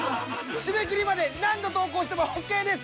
締め切りまで何度投稿してもＯＫです。